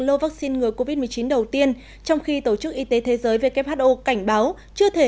lô vaccine ngừa covid một mươi chín đầu tiên trong khi tổ chức y tế thế giới who cảnh báo chưa thể